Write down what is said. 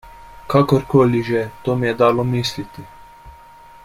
Kakorkoli že, to mi je dalo misliti.